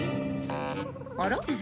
あら？